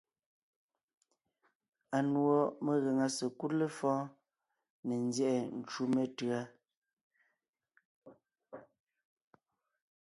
Anùɔ megàŋa sekúd lefɔ̌ɔn ne nzyɛ́ʼɛ ncú metʉ̌a.